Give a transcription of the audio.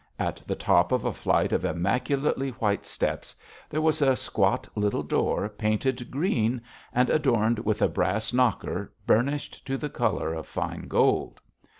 At the top of a flight of immaculately white steps there was a squat little door painted green and adorned with a brass knocker burnished to the colour of fine gold.